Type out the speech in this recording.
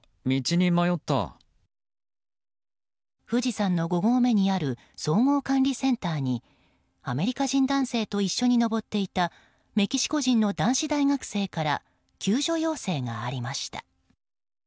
富士山の５合目にある総合管理センターにアメリカ人男性と一緒に登っていたメキシコ人の男子大学生から救助要請がありました。